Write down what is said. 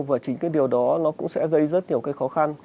và chính cái điều đó nó cũng sẽ gây rất nhiều cái khó khăn